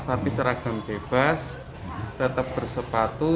tapi seragam bebas tetap bersepatu